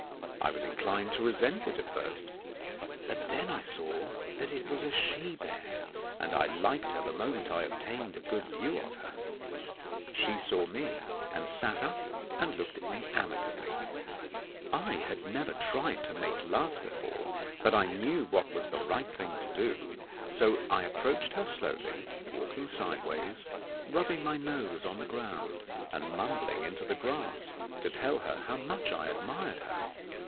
I was inclined to resent it at first, but then I saw that it was a she bear, and I liked her the moment I obtained a good view of her. She saw me, and sat up and looked at me amicably. [Illustration: SHE SAW ME, AND SAT UP AND LOOKED AT ME AMICABLY.] I had never tried to make love before, but I knew what was the right thing to do; so I approached her slowly, walking sideways, rubbing my nose on the ground, and mumbling into the grass to tell her how much I admired her.